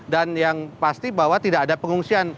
dan yang pasti bahwa tidak ada pengungsian